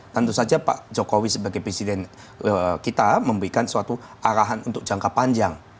tentu saja pak jokowi sebagai presiden kita memberikan suatu arahan untuk jangka panjang